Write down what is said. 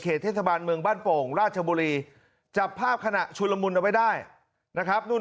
เทศบาลเมืองบ้านโป่งราชบุรีจับภาพขณะชุนละมุนเอาไว้ได้นะครับนู่น